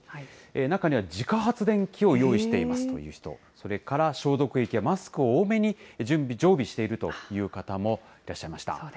中には自家発電機を用意していますという人、それから、消毒液やマスクを多めに準備、常備しているという方もいらっしゃいました。